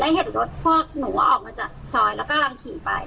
แล้วเห็นรถพวกหนูออกมาจากจอยแล้วกำลังขี่ไป